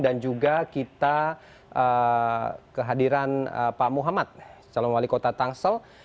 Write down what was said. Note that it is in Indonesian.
dan juga kita kehadiran pak muhammad calon wali kota tangsel